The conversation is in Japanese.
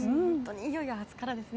いよいよ明日からですね。